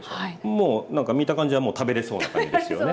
もうなんか見た感じはもう食べれそうな感じですよね。